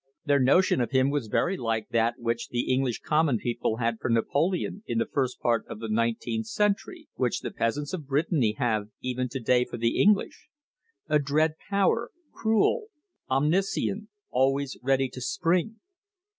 Their notion of him was very like that which THE HISTORY OF THE STANDARD OIL COMPANY the English common people had for Napoleon in the first part of the i9th century, which the peasants of Brittany have even to day for the English a dread power, cruel, omnis cient, always ready to spring.